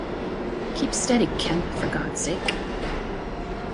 Keep steady, Kemp, for God's sake!